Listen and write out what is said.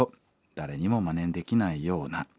誰にもまねできないような』